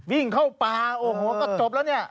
วิ่งเข้าป่าโอ้โหก็จบแล้วเนี่ย